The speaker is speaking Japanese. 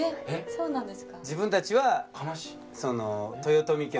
そうなんです